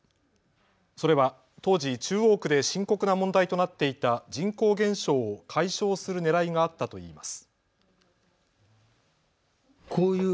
それは当時、中央区で深刻な問題となっていた人口減少を解消するねらいがあったといいます。